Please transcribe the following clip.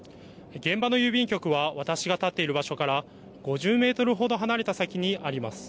現場の郵便局は私が立っている場所から５０メートルほど離れた先にあります。